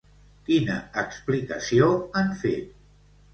Quina explicació han fet?